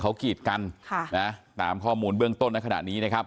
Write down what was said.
เขากีดกันค่ะนะตามข้อมูลเบื้องต้นในขณะนี้นะครับ